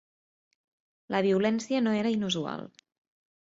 La violència no era inusual.